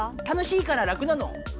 楽しいから楽なの。